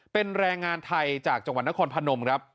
เป็นแรงงานไทยจากจังหวัดนครพนมครับ